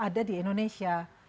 ada di indonesia